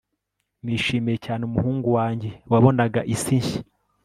nishimiye cyane umuhungu wanjye wabonaga isi nshya